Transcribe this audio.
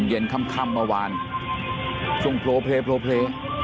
เย็นค่ำเมื่อวานช่วงโพลเพลโพลเพล